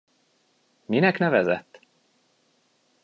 Minek nevezett?